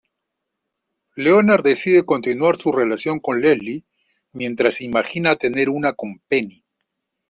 Leonard decide continuar su relación con Leslie mientras se imagina tener una con Penny.